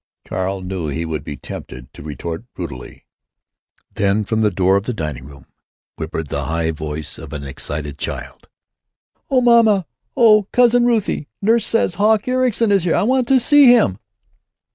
Carl knew he would be tempted to retort brutally. Then from the door of the dining room whimpered the high voice of an excited child: "Oh, mamma, oh, Cousin Ruthie, nurse says Hawk Ericson is here! I want to see him!"